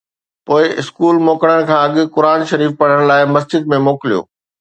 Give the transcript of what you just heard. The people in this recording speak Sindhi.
پوءِ اسڪول موڪلڻ کان اڳ قرآن شريف پڙهڻ لاءِ مسجد ۾ موڪليو